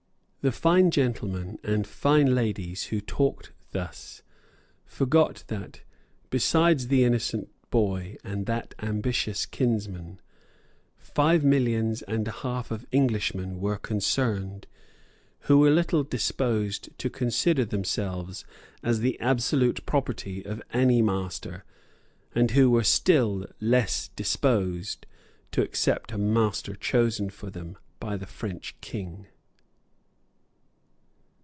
The fine gentlemen and fine ladies who talked thus forgot that, besides the innocent boy and that ambitious kinsman, five millions and a half of Englishmen were concerned, who were little disposed to consider themselves as the absolute property of any master, and who were still less disposed to accept a master chosen for them by the French King.